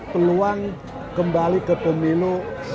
peluang kembali ke pemilu